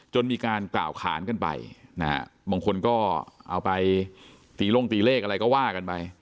มีการกล่าวขานกันไปนะฮะบางคนก็เอาไปตีลงตีเลขอะไรก็ว่ากันไป